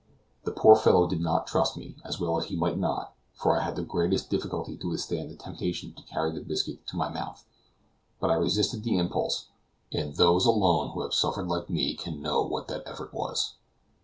The poor fellow did not trust me and well he might not for I had the greatest difficulty to withstand the temptation to carry the biscuit to my mouth. But I resisted the impulse, and those alone who have suffered like me can know what the effort was.